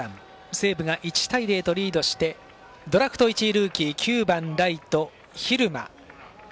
西武が１対０とリードしてドラフト１位ルーキー９番ライト、蛭間。